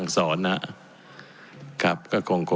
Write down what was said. ผมจะขออนุญาตให้ท่านอาจารย์วิทยุซึ่งรู้เรื่องกฎหมายดีเป็นผู้ชี้แจงนะครับ